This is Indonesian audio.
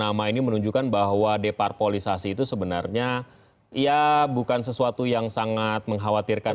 nama ini menunjukkan bahwa deparpolisasi itu sebenarnya ya bukan sesuatu yang sangat mengkhawatirkan